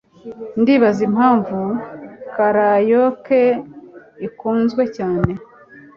Ndibaza impamvu karaoke ikunzwe cyane.